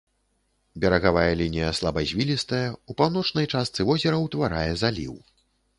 Берагавая лінія слабазвілістая, у паўночнай частцы возера ўтварае заліў.